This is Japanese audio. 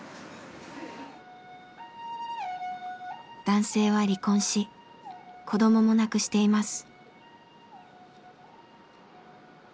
男性は離婚し子どもも亡くしています。